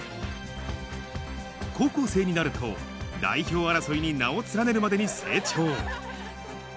高校生になると、代表争いに名を連ねるまでに成長。